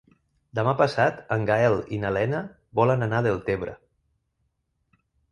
Demà passat en Gaël i na Lena volen anar a Deltebre.